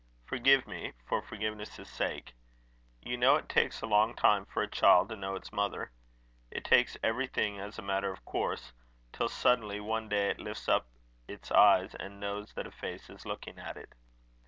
Forgive me, for forgiveness' sake. You know it takes a long time for a child to know its mother. It takes everything as a matter of course, till suddenly one day it lifts up its eyes, and knows that a face is looking at it.